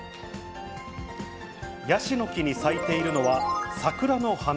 ヤシの木に咲いているのは桜の花。